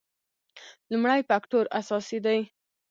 لومړی فکټور اساسي دی.